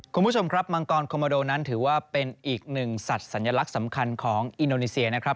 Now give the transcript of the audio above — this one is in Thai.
คุณผู้ชมครับมังกรคอมโมโดนั้นถือว่าเป็นอีกหนึ่งสัตว์สัญลักษณ์สำคัญของอินโดนีเซียนะครับ